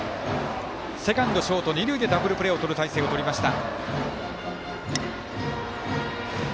セカンド、ショート二塁でダブルプレーをとる態勢をとりました。